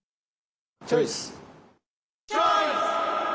チョイス！